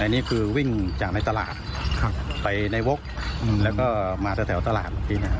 อันนี้คือวิ่งจากในตลาดไปในวกแล้วก็มาแถวตลาด